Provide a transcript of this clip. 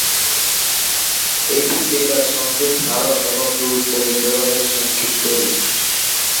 এটি বেতার সংকেত ধারণ এবং দূরত্ব নির্ধারণের সংক্ষিপ্ত রূপ।